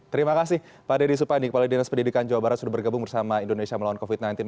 terima kasih pak deddy supandi kepala dinas pendidikan jawa barat sudah bergabung bersama indonesia melawan covid sembilan belas